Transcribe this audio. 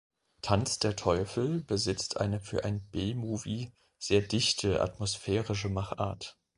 Tanz der Teufel besitzt eine für ein B-Movie sehr dichte, atmosphärische Machart.